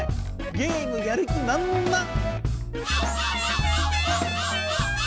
ゲームやる気まんまん！